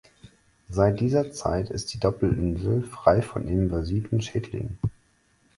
Seit dieser Zeit ist die Doppelinsel frei von invasiven Schädlingen.